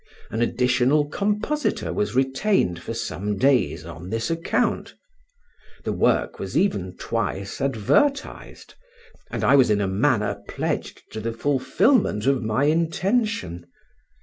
An additional compositor was retained for some days on this account. The work was even twice advertised, and I was in a manner pledged to the fulfilment of my intention.